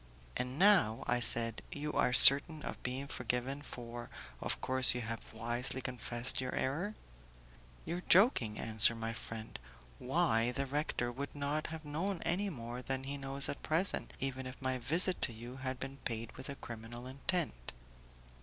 "And now," I said, "you are certain of being forgiven, for, of course, you have wisely confessed your error?" "You are joking," answered my friend; "why, the good rector would not have known any more than he knows at present, even if my visit to you had been paid with a criminal intent."